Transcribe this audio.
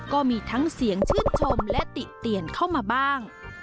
ก็มีทั้งเสียงชื่นชมและติเตียนเข้ามาบ้าง